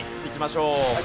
いきましょう。